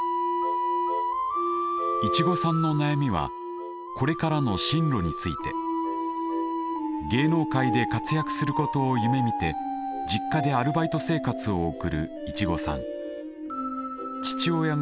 いちごさんの悩みは芸能界で活躍することを夢みて実家でアルバイト生活を送るいちごさん。